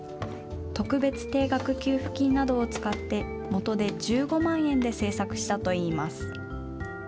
特別定額給付金などを使って、元手１５万円で製作したといいます。